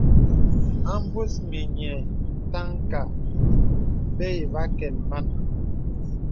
A mbus mìnyè taŋ kàà bə̄ î vè akɛ̀l man.